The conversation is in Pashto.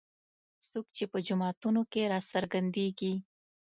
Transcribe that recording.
څوک چې په جوماتونو کې راڅرګندېږي.